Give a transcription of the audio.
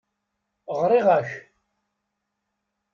Ɣriɣ-ak.